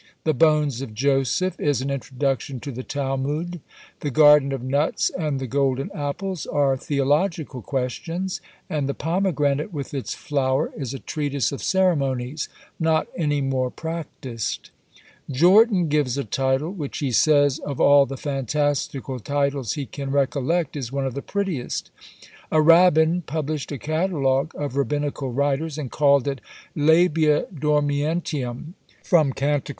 "The Bones of Joseph" is an introduction to the Talmud. "The Garden of Nuts," and "The Golden Apples," are theological questions; and "The Pomegranate with its Flower," is a treatise of ceremonies, not any more practised. Jortin gives a title, which he says of all the fantastical titles he can recollect is one of the prettiest. A rabbin published a catalogue of rabbinical writers, and called it Labia Dormientium, from Cantic.